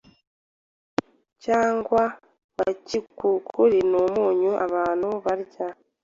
cyangwa wa gikukuru n’umunyu abantu barya,